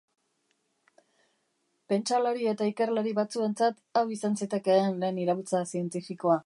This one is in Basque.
Pentsalari eta ikerlari batzuentzat hau izan zitekeen lehen iraultza zientifikoa.